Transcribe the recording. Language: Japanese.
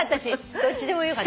どっちでもよかった。